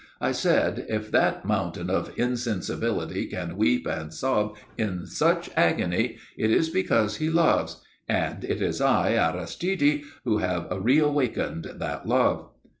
I said: 'If that mountain of insensibility can weep and sob in such agony, it is because he loves and it is I, Aristide, who have reawakened that love.'"